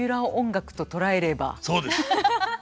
そうです。